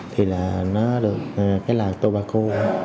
thì là nó được cái là tô ba cô